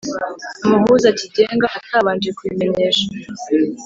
umuhuza kigenga atabanje kubimenyesha